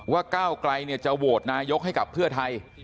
ว่าก้าวกลายเนี่ยจะโหวตนายกให้กับเพื่อไทย